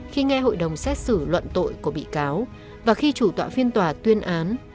khi nghe hội đồng xét xử luận tội của bị cáo và khi chủ tọa phiên tòa tuyên án